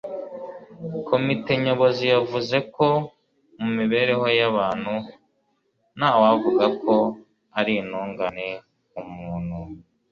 komite nyobozi yavuze ko mu mibereho y'abantu, nta wavuga ko ari intungane, umuntu